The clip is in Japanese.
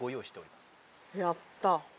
やった。